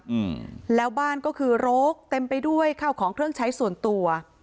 อืมแล้วบ้านก็คือโรคเต็มไปด้วยข้าวของเครื่องใช้ส่วนตัว